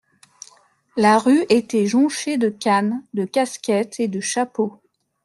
La rue était jonchée de cannes, de casquettes et de chapeaux.